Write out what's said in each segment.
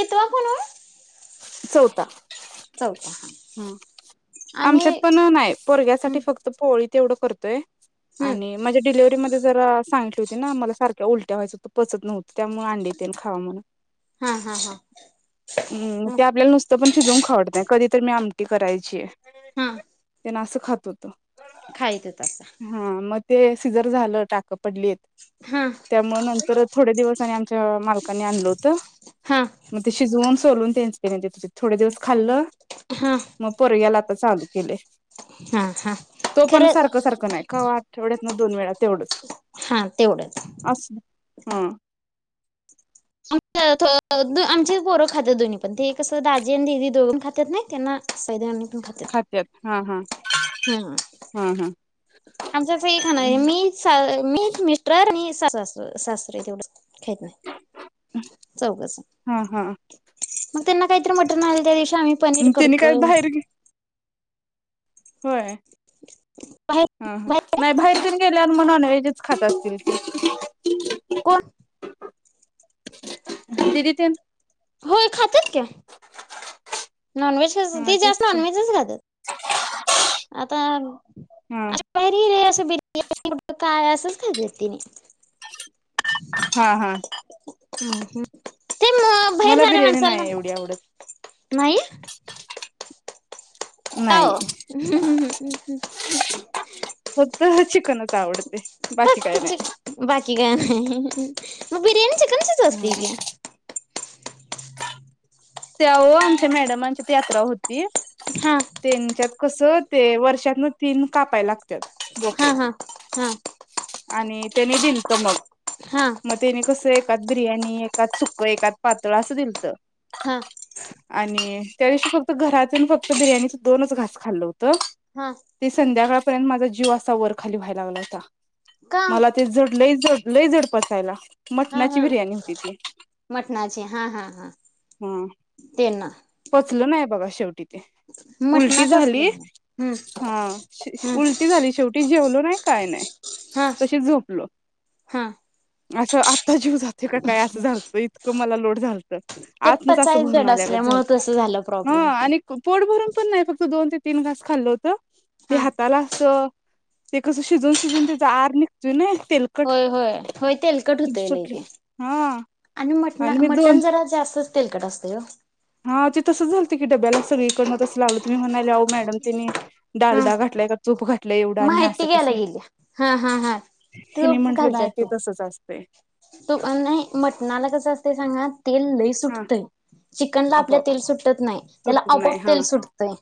कितवा फोण. चौता. च का हा. ह आणि आमच्यात पण नाही पोरग्यासाठी हम्म फक्त पोळी ते तेवढं करतोय. हम्म आणि म्हणज्या डिलेवर्ही मध्ये जरा सांगितली होती ना मला सारख्या उलट्या व्हायच. पचत नव्हं त्यामुळेळ आणंडी येते खावा म्हणून. हा हा हा. हम्म ते आपल्याला नुसत पण शिजवून खावडत नाही कधी तररी मी आमटी करायची. हा. त्यांना असं खात होत. खाय त आता. हा मग ते सिजर झालं टाक पडलीत. हा. म्हणून नंतर थोडे दिवस आणि आमच्या मालकांनी आणलं होतं. हा. मग ते शिजवून सोलून ते त्यांच त थोडे दिवस खाल्लं. हा मग पर्याला आता चालू केले हा हा तो पण खरं सारखं सारखं नाही का वा. तेव्याच ना दोन वेळा तेवढंच. हा तेवढेच. अस ह. आमचे पोरं खातात दोन्ही पण ते कसं दाजी आणि ददी दोघन खातात नाही त्यांना. [unintelligible] पण ख खात्यात हा हा हम्म, हा आमच्याच [unintelligible] मी. मी एक मिस्टर आणि [unintelligible] चौघ जण. हा हा हा मग त्यांना काहीतरी मटण आले त्या दिवशी आम्ही पनीर त्यांनी काय करतोय. बाहेर गे होय, बाहेर हा हा. बाहेर नाही बाहेर तेन गेल्या वर मग नॉन व्हेज खात असतील ते. [unintelligible] दिदी तेन होय, खातेत की. नॉनव्हेज ख हा ते तेच जास्त की नॉनव्हेजच खातात. आता हा. परी [unintelligible] हा हा. हम्म हम्म, ते म बाहेर मला जाणार बिर्याणी माणसांना नाही एवढी आवडत नाही. नाही [unintelligible] [unintelligible] चिकनच आवडते, बाकी बस काय तुझी नाही. बाकी काय नाही, मग बिर्याणी चिकनचीच असतीय की. त्यावा आमच्या मॅडमांच्यात यात्रा होती. हा. त्यांच्यात कसं? ते वर्षात तीन कापाय लागत त्यात हा बोकड हा हा आणि त्यांनी दिलत मग हा. मग त्यांनी कसं एकात बिर्याणी, एकात सुकं, एकात पातळ असं दिलत. हां. आणि त्या दिवशी फक्त, घरातून फक्त, बिर्याणीच दोनच घास खाल्लं होतं. हा. ते संध्याकाळपर्यंत माझा जीव असा वर खाली व्हायला लागला होता. का? मला ते जड लय जड, लय जड पचायला. मटणाची बिर्याणी होती ती. मटणाचे, हा हा हां. हा, पचल नाही बघा शेवटी ते. उलटी मटणाच झाली. असल्यामुळे हम्म हा, हम्म उलटी झाली शेव टी. जेवले नाही, काय नाही. हा. तशी झोपलो. हा. अस आता जीव जाते का काय असं झालत इतक मला लोड झालत, ते आतमध्ये असं पचाय भरून जड आल्यागत झालं. असल्यामुळे तसं झालं हा प्रॉब्लेम ते. आणि पोट भरून पण नाही, फक्त दोन ते तीन घास खाल्ल होतं. ते हा. हाताला अस ते कसं शिजून शिजून त्याचा आर निघतोय ना, ते होय होय होय, तेलकट होतय लई तेे हा आणि मटण मी दोन मटण जरा जास्त तेलकट असतय ओ. हा, ते तसंच झालते की, डब्याला सगळीकडनं तं लागल. मी म्हणाले आ ओ मॅडम [unintelligible] ओ. डालडा घातलाय का? तूप घातलय? एवढा आणि माहिती असं घ्यायला कसं गेल्या. हा हा हा. हेनी तूप म्हंटलं, नाही घालत्यात ते तूप. तसच असतय. नाही मटणाला कसं असते सांगा, तेल लई हा सुटतंय. चिकनला आपल्या आपोआप तेल सुटत नाही, त्याला आपोआप तेल सुटतंय.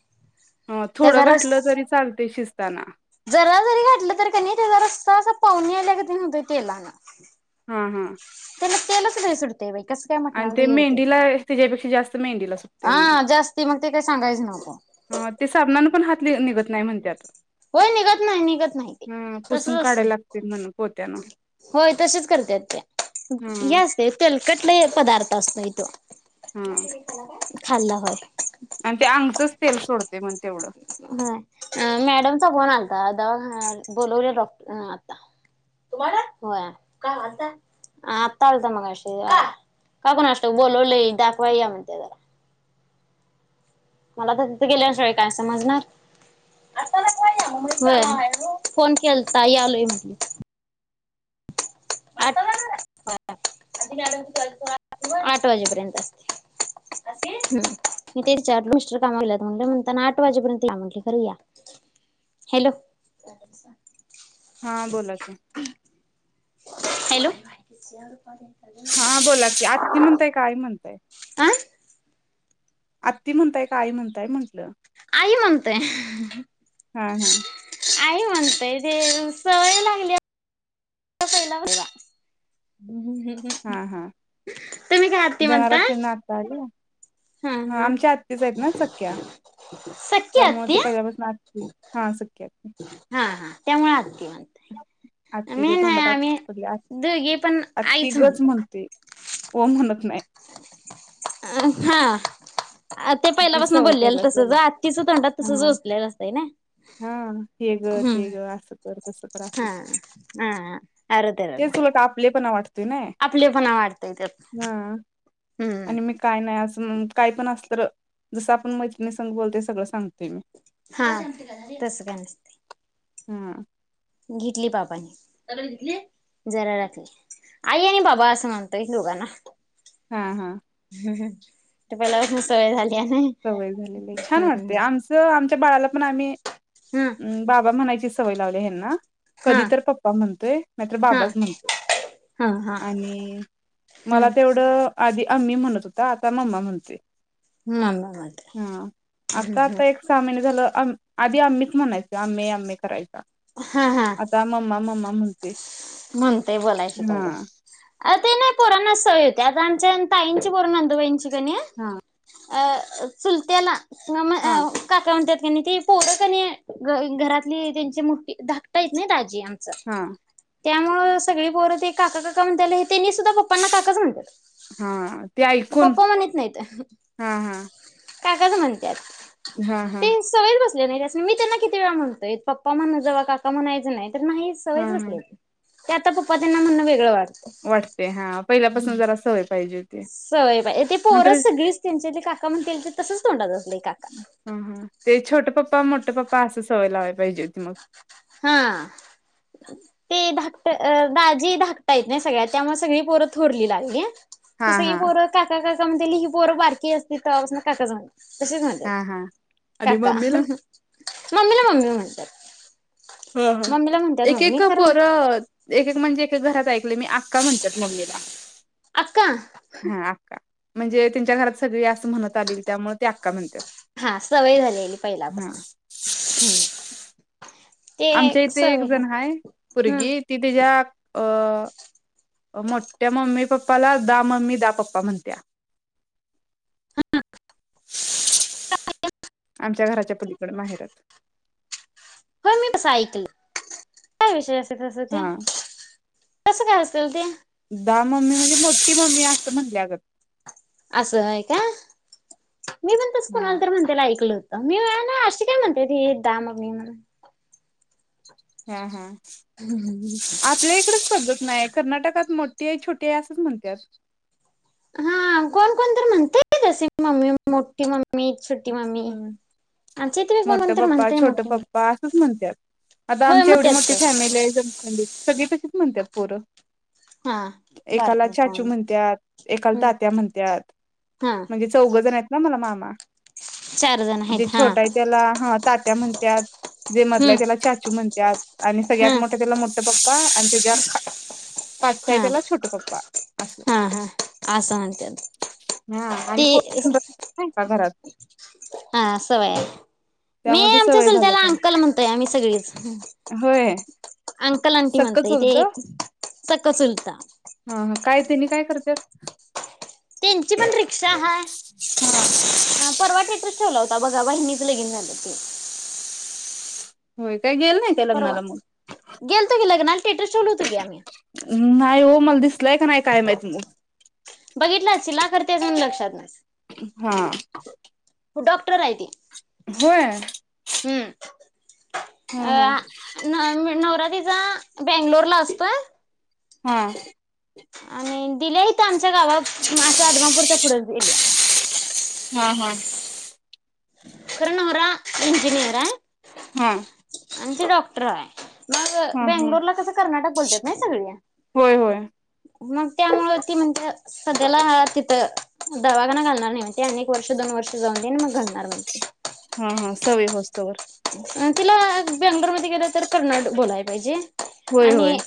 हं थोडं घातलं तरी चालते शिजताना. जरा जरी घातलं तरी का नाही, त्याचा रस्ता असं पाहुणी आल्या कधी म्हणतोय तेल आना. हम्म हम्म. त्याला तेलच लय सुटत ते बाई कस काय आणि मटणाला ते हे होत? मेहंदीला त्याच्यापेक्षा जास्त मेहंदीला [inaudible] सुटतंय हा जास्त ती म्हणते काही सांगायचं नव्हतं. हं, ते साबणानं पण हात नीट निघत नाही म्हणत्यात. होय निघत नाही, निघत नाही ते. हा पुसून तसचं काढायला असंत. लागतंय [inaudible] म्हण पोत्यानं होय तशीच करत्या त्या. हा यस ते तेेलकट लयं येत, बारा नाही तर हम्म. खाल्ला व्हयं. आणि ते अंगचंच तेल सोडते मग तेवढं. ह मॅडमचा फोन आलता. दवाखान्यात बोलवलं डॉक्टरने आता. परत? हा. काय आता? हा आलता मगाशी. आत्ता? [unintelligible] बोलावलंय, दाखवायला आण त्याला. मला तर तिथे गेल्याशिवाय काय समजणार? [unintelligible] फोन केलता यायले म्हणून. आता आ. अन ती मॅडम किती वाजेपर्यंत राहते वं? आठ वाजेपर्यंत. नक्की. तिथे चार [unintelligible] आठ वाजेपर्यंत या म्हटले खरं या. [inaudible] हॅलो. [unintelligible] हा बोला की. हॅलो [inaudible] हा बोला की. आत्या म्हणताय की आई म्हणताय? अं आत्ती म्हणताय का, आई म्हणताय म्हंटलं? आई म्हणते. हं हं. आई म्हणतेयं, ते सवय लागली [unintelligible] बोला, [inaudible] हम्म हम्म हा हा [unintelligible] तुम्ही काय आती म्हणताय? आम्ही. हा आमच्या आत्तीच आहेत ना सख्ख्या. सख्खी त्यामुळे ते आत्ती पहिल्या पासून आती. हा सख्ख्या आती. हा हा त्यामुळे आत्ती म्हणते. आतीच्या तोंडात आति पडल्या. दोघी पण आ आईच तिघच म्हणते. कोन म्हणत नाय. अं हा. ते ती पहिल्यापासून सवय बोललेलं पहिलाच तसंच. लागली आत्तीच तोंडात तसंच बसलेलं असतंय ना. हम्म. हे धर, ते हम्म धर, असं कर, तसं कर. हा राहतील. हा [inaudible] ते तुला का आपले पण वाटतय ना. आपले पणा वाटतंय त्यात. हा. हम्म आणि मी काय नाही असं काय पण असल तर जसं आपण मैत्रिणी संग बोलतोय सगळं सांगतोय मी हा तसं काय नसत. हा घेतली पापाने घ जरा राखली आई आणि बाबा असं म्हणतोय दोघांना हा हा ते पहिल्यापासन सवय झाल्या नाही सवय झालेली आहे छान हम्म वाटतय आमचं आमच्या बाळाला पण आम्ही हम्म बाबा म्हणायची सवय लावली आहे हेंना हा कधी तर पप्पा म्हणतोय नाहीतर हा बाबाच म्हणतोय. हा हा आणि मला हम्म तेवढं आधी आम्मी म्हणत होता आता मम्मा म्हणतोय. [unintelligible] हा आता आता एक सहा महिने झालं आधी आम्मीच म्हणायचा आम्मी आम्मी करायचा. हा हा आता मम्मा मम्मा म्हणतोय. म्हणतेय बोलायच तेवढं अ ते नाही पोरांना अस सवय होत्या आता आमच्या ताईंची पोरं नंदूबाईंची कणी हा अं चुलत्याला हं म हा अं काका म्हणत्यात कणी ती पोरं कणी घरातली त्यांची मोठी धाकटं हाईत नाही दाजी आम चं हा त्यामुळं सगळी पोरं ते काका काका म्हणत्याली त्यांनी सुद्धा पप्पांना काकाच म्हणत्यात. हा ते ऐकून पप्पा म्हनित नाहीत हा हा काकाचं म्हणत्यात. हा हा सवयचं बसल्या नाही त्यास्नी मी त्यांना किती वेळा म्हणतोय पप्पा म्हणत जावा काका म्हणायचं नाही तर नाहीच हा सवयच हा बसल्या ती आता पप्पा त्यांना म्हनणं वेगळं वाटतं. वाटते हा पहिल्यापासून जरा सवय पाहिजे होती. सवय पाये ती मात्र पोरं सगळीच त्यांच्यातली काका म्हणत्याली ते तसंच तोंडात बसलंय काका हा हा ते छोटं पप्पा मोठं पप्पा असं सवय लावाय पाहिजे होती मग हा ते धाकट दाजी धाकटं आहेत नाही सगळ्यात त्यामुळे सगळी पोरं थोरली लागली. हा ती सगळी हा पोरं काका काका म्हणतेली ही पोरं बारकी असती तवा पास्नं काकाचं म्हणं तसंच म्हणतात हा हा आणि काका मम्मीला मम्मी ला मम्मीचं म्हणतात. हा हा मम्मीला म्हणतात मम्मी एकेक खरं पोरं एकेक म्हणजे एकेक घरात ऐकले मी आक्का म्हणतात मम्मीला आक्का? हा अक्का म्हणजे त्यांच्या घरात सगळी असं म्हणत आलेली त्यामुळे ते आक्का म्हणत्यात हा सवय झालेली पहिल्यापास्न हम्म ते आमच्या इथे एक सवय जण हाय हम्म पुरगी ती तिज्या अं मोठ्या मम्मी पप्पाला दा मम्मी दा पप्पा म्हणत्या. आमच्या घराच्या पलीकडं माहेरात. हो मी तसं ऐकल काय विषय असे तस ते. हा कसं काय असंल ते दहा मम्मी म्हणजे मोठी मम्मी असं म्हणल्यागत. असं आहे काय, मी म्हणतस हा कोणाल तर म्हण त्याला ऐकलं होत, मी ना अशी काय म्हणत्यात ही दा मम्मी म्हणून. हम् हम् [inaudible] आपल्या इकडंच पद्धत नाय. कर्नाटकात मोठी आई छोटी आई असंच म्हणत्यात हा कोण कोण तर म्हणतय की तसं, मम्मी मोठी मम्मी, छोटी मम्मी ह आमच्या इथे बी कोण कोण मोठं तर पप्पा म्हणतय छोटं मोठी मम्मी पप्पा असंच म्हणत्यात आता होय आमची एवढी म्हणत्यात मोठी तर फॅमिलीय [unintelligible] सगळी तशीच म्हणत्यात पोरं हा एकाला बारकी चाचू कोण म्हणत्यात एकाला हम्म तात्या म्हणत्यात हा म्हणजे चौघंजणयत ना मला मामा चार जण जे आहेत हा छोटाय त्याला हा तात्या म्हणत्यात जे मधलंय हम्म त्याला चाचू म्हणत्यात आणि सगळ्यात हा मोठं त्याला मोठे पप्पा आणि त्याज्यात पाचं हाय हा त्याला छोटं पप्पा असं हा हा असं म्हणत्यात हा आणि ती [unintelligible] नाही का घरात? हा सवयाय मी त्यामुळे ती आमच्या सवय झाल्या चुलत्याला त्यांना अंकल म्हणतोया आम्ही सगळीच होय अंकल, अंटी सक्क म्हणतोय चुलत ते संक चुलतं हा हा काय त्यानी काय करत्यात? त्यांची पण रिक्षा हाय हा [inaudible] परवा टेट्स ठेवला होता. बघा वहिनीचं लगीन झालं ते होय काय, गेल नाही त्या परवा लग्नाला मग? गेलतो की लग्नाल, टेटस ठेवलो होतो की आम्ही न्हाय वो, मला दिसलाय का नाही काय माहिती बघितला अशिला खर ते आजून लक्षात हा नसेल डॉक्टर हाय ती, होय हम्म हा अ हा न नवरा तिचा बेंगलोरला असतोय हा आणि दिलय इथ आमच्या गावात असं अदमापूरच्या पुढेच गेलया हा हा खरं नवरा इंजिनीयरय हं आणि ती डॉक्टराय, मग हा हा बेंगलोरला कसं कर्नाटक बोलत्यात ना सगळी होय होय मग त्यामुळं ती म्हणत्या सध्याला तिथं दवाखाना घालणार नाही, म्हणती अनेक वर्ष दोन वर्ष जाऊन दे आणि मग घालणार म्हणती हा हा सवय होवूस्तवर तिला बेंगलोरमध्ये गेलं तर कनंड बोलाय पाहिजे होय आणि होय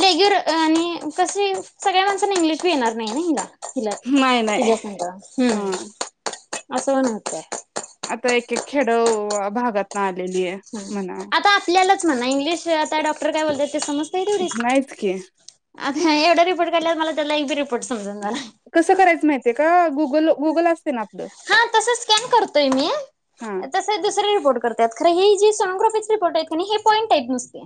लेग्युर आणि कस सगळ्या माणसना इंग्लिशीबी येणार नाही ना हिला हीला नाही नाही हीच्या संग, हा हम्म अस पण होतय आता एके एक खेडं भागात आलेली [unintelligible] ह म्हणा आता आपल्यालाच म्हणा इंग्लिश आता डॉक्टर काय बोलत्यात ते समज तय तेवढीच? नाहीच की आता एवढा रिपोर्ट काढला मला त्यातला एक बी रिपोर्ट समजना झाला कसं करायचं माहिते का? गुगल गुगल असते ना आपलं तस स्कॅन करतोय मी हा तस दुसरे रिपोर्ट करतात, खरे हे जे सोनोग्राफीचे रिपोर्ट आहेत हे पॉईंटयत नुसत्या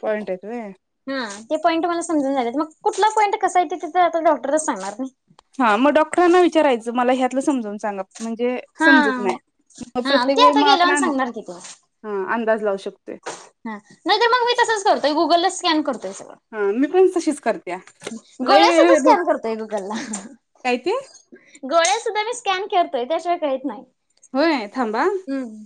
पॉंइट आहेत व्हय. हा ते पॉईंट मला समजना झाल्यात मग कुठला पॉईंट कसा येते तिथं आता डॉक्टरस सांगणार नाही. हा म डॉक्टरांना विचारायचं मला ह्यातलं समजवून सांगा म्हणजे समजत नाही हा मग हा प्रत्येक ते वेळ आता म आपण गेल्यावर अंद सांगणार की ते. हा अंदाज लावू शकतोय. हा नाहीतर मग मी तसच करतोय गुगलला स्कॅन करतोय सगळं. हा मी पण तशीच करत्या गोळ्या सुद्धा लय डोक स्कॅन करतोय गुगलला. काय ते गोळ्या सुद्धा मी स्कॅन करतोय त्याशिवाय खायीत नाही. होय थांबा. हम्म.